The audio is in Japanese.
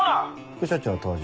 副署長登場。